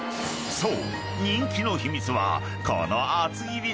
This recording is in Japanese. ［そう］